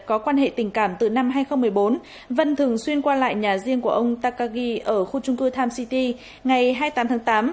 có quan hệ tình cảm từ năm hai nghìn một mươi bốn vân thường xuyên qua lại nhà riêng của ông takagi ở khu trung cư tim city ngày hai mươi tám tháng tám